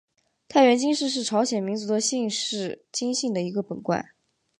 太原金氏是朝鲜民族的姓氏金姓的一个本贯。